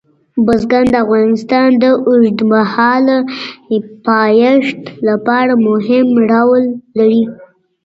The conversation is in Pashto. بزګان د افغانستان د اوږدمهاله پایښت لپاره مهم رول لري.